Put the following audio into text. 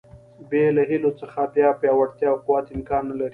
بې له هیلو څخه بیا پیاوړتیا او قوت امکان نه لري.